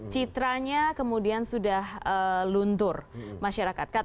citranya kemudian sudah luntur masyarakat